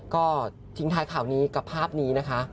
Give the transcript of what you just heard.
ก็ทิ้งท้ายข่าวนี้กับภาพนี้นะคะ